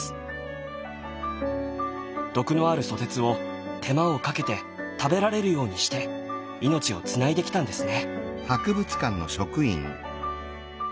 毒のあるソテツを手間をかけて食べられるようにして命をつないできたんですね。